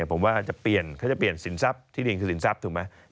ผมว่าจะเปลี่ยนเขาจะเปลี่ยนสินทรัพย์ที่ดินคือสินทรัพย์ถูกไหม